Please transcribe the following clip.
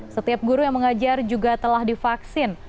setiap guru yang mengajar juga telah divaksin